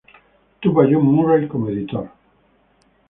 Tuvo a John Murray como editor.